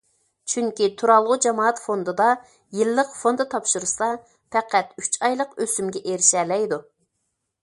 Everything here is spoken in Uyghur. چۈنكى تۇرالغۇ جامائەت فوندىدا يىللىق فوندى تاپشۇرسا پەقەت ئۈچ ئايلىق ئۆسۈمگە ئېرىشەلەيدۇ.